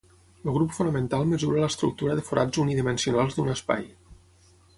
El grup fonamental mesura l'estructura de forats unidimensionals d'un espai.